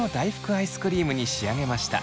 アイスクリームに仕上げました。